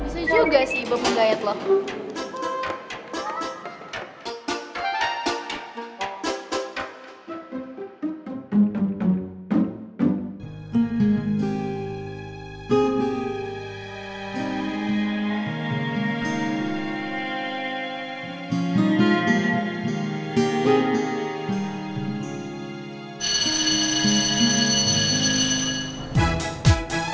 bisa juga sih bob nggak yet lah